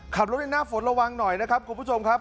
ขับรถในหน้าฝนระวังหน่อยนะครับคุณผู้ชมครับ